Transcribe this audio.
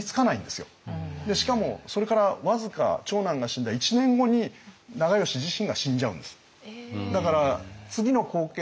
でしかもそれから僅か長男が死んだ１年後に長慶自身が死んじゃうんです。